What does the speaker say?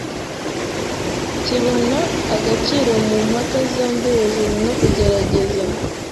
kibona agaciro mu mpaka zombi hejuru no kugerageza